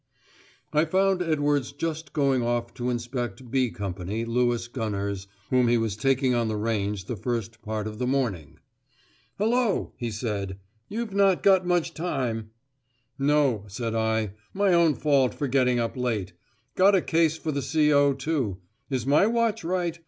I found Edwards just going off to inspect "B" Company Lewis gunners, whom he was taking on the range the first part of the morning. "Hullo!" he said, "you've not got much time." "No," said I. "My own fault for getting up late. Got a case for the C.O. too. Is my watch right?